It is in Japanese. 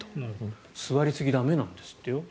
座りすぎ、駄目なんですって。